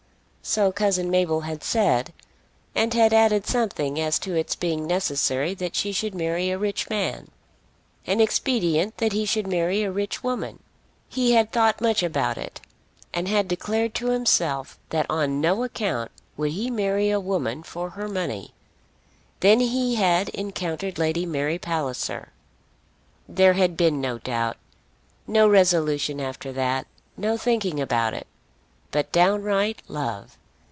So cousin Mabel had said, and had added something as to its being necessary that she should marry a rich man, and expedient that he should marry a rich woman. He had thought much about it, and had declared to himself that on no account would he marry a woman for her money. Then he had encountered Lady Mary Palliser. There had been no doubt, no resolution after that, no thinking about it; but downright love.